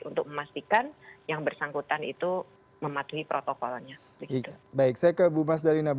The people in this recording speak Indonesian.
untuk memastikan yang bersangkutan itu mematuhi protokolnya